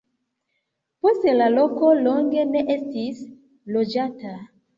Poste la loko longe ne estis loĝata.